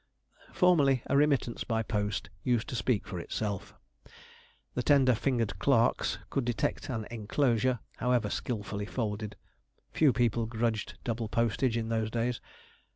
Formerly a remittance by post used to speak for itself. The tender fingered clerks could detect an enclosure, however skilfully folded. Few people grudged double postage in those days.